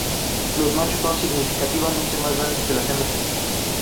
Los machos son significativamente más grandes que las hembras.